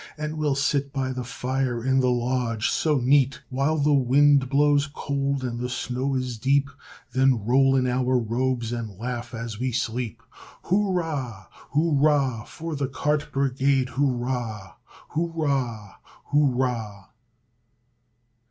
And we'll sit by the fire in the lodge so neat, While the wind blows cold and the snow is deep. Then roll in our robes and laugh as we sleep. Hurrah, hurrah for the cart brigade! Hurrah! Hurrah! Hurrah!